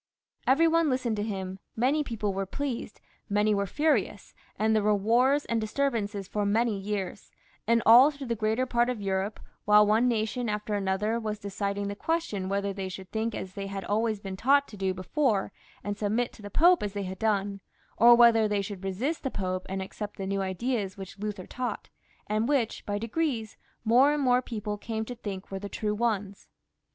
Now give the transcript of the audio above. Every one listened to him, many people were pleased, many were furious, and there were wars and disturbances, for many years, and all through the greater part of Europe, while one nation after another was deciding the question whether they should R t 242 FRANCIS I. [CH. think as they had always been taught to do before, and submit to the Pope as they had done, or whether they should resist the Pope and accept the new ideas which Luther taught, and which, by degrees, more and more people came to think were the true ones.